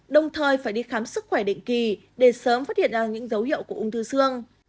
đồng thời phải đi khám sức khỏe định kỳ để sớm phát hiện ra những dấu hiệu của ung thư xương